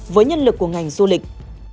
với nhân lực của ngành du lịch